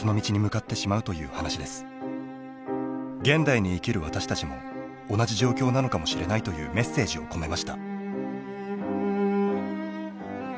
現代に生きる私たちも同じ状況なのかもしれないというメッセージを込めました。